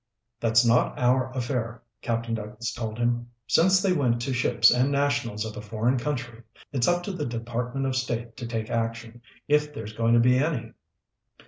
"That's not our affair," Captain Douglas told him. "Since they went to ships and nationals of a foreign country, it's up to the Department of State to take action, if there's going to be any."